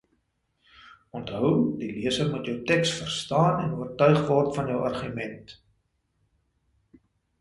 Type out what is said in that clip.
Onthou, die leser moet jou teks verstaan en oortuig word van jou argument.